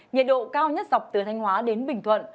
nhiệt độ cao nhất dọc từ thanh hóa đến bình thuận